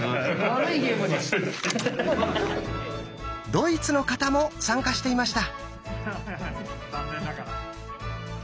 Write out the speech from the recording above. ドイツの方も参加していました。